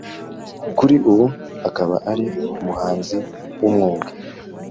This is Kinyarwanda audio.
kuri ubu akaba ari umuhanzi w’umwuga.